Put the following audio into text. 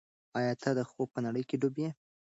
آیا ته د خوب په نړۍ کې ډوب یې؟